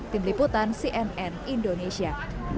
tim liputan cnn indonesia